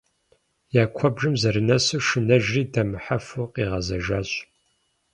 Я куэбжэм зэрынэсу, шынэжри, дэмыхьэфу къигъэзэжащ.